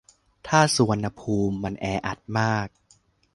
ถ้าสุวรรณภูมิมันแออัดมาก